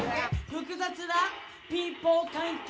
複雑なピーポー関係